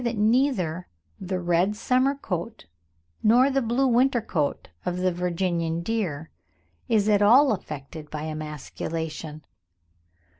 that neither the red summer coat nor the blue winter coat of the Virginian deer is at all affected by emasculation.